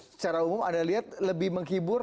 secara umum anda lihat lebih menghibur